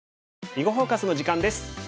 「囲碁フォーカス」の時間です。